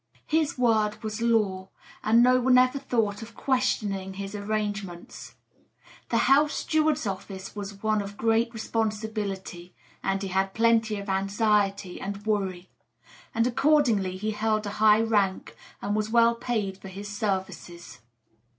His word was law, and no one ever thought of questioning his arrangements. The house steward's office was one of great responsibility, and he had plenty of anxiety and worry; and accordingly he held a high rank, and was well paid for his services.